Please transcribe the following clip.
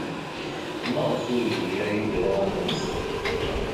Maɣef ur igi ara Yidir aɣanen-nnes?